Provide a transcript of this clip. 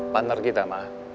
partner kita mbak